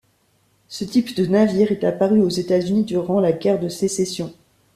Ce type de navire est apparu aux États-Unis durant la guerre de Sécession.